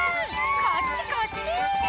こっちこっち！